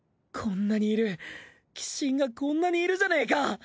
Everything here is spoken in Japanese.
こんなにいる鬼神がこんなにいるじゃねえか！